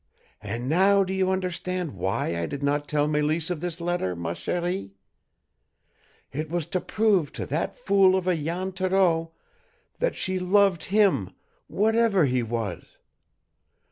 And NOW do you understand why I did not tell Mélisse of this letter, ma chérie? It was to prove to that fool of a Jan Thoreau that she loved him WHATEVER HE WAS.